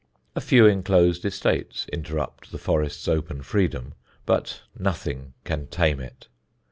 A few enclosed estates interrupt the forest's open freedom, but nothing can tame it.